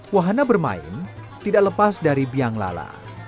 wahana bermain tidak lepas dari biang lala